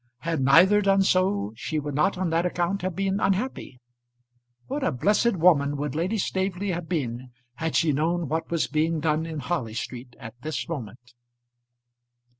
Had neither done so, she would not on that account have been unhappy. What a blessed woman would Lady Staveley have been had she known what was being done in Harley Street at this moment!